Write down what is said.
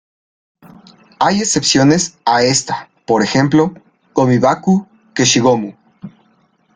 Hay excepciones a esta, por ejemplo, "ゴミ箱", "消しゴム".